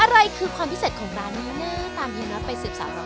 อะไรคือความพิเศษของร้านนี้นะตามเฮียน็อตไปสืบสาวเรา